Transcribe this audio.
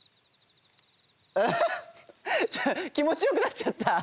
アハッ気もちよくなっちゃった。